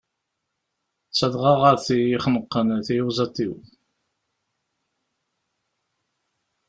D tadɣaɣat iyi-xenqen tiyuẓaḍ-iw.